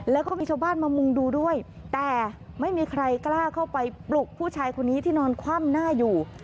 แล้วก็มีชาวบ้านมามุงดูด้วยแต่ไม่มีใครกล้าเข้าไปปลุกผู้ชายคนนี้ที่นอนคว่ำหน้าอยู่